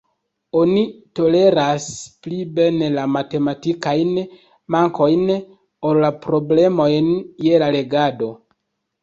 Oni toleras pli bene la matematikajn mankojn, ol la problemojn je la legado.